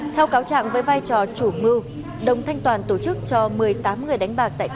theo cáo trạng với vai trò chủ mưu đồng thanh toàn tổ chức cho một mươi tám người đánh bạc tại